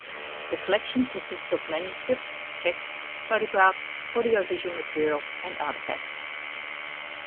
The collection consists of manuscripts, texts, photographs, audio-visual material and artifacts.